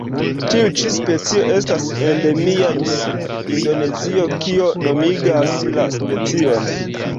Tiu ĉi specio estas endemia de Indonezio, kio nomigas la specion.